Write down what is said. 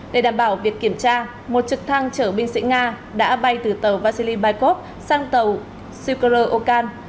để đảm bảo việc kiểm tra một trực thăng chở binh sĩ nga đã bay từ tàu vasily baikov sang tàu sukhorov okan